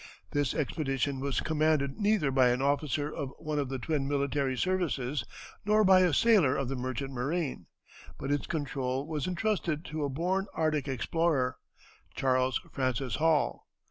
This expedition was commanded neither by an officer of one of the twin military services nor by a sailor of the merchant marine, but its control was intrusted to a born Arctic explorer, Charles Francis Hall.